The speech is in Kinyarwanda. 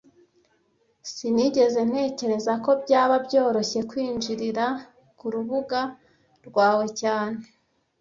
Sinigeze ntekereza ko byaba byoroshye kwinjirira kurubuga rwawe cyane